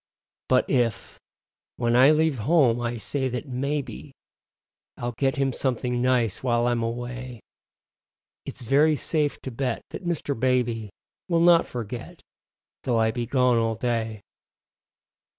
But if, when I leave home, I say that maybe I'll get him something nice while I'm away, It's very safe to bet that Mr. Baby Will not forget, though I be gone all day.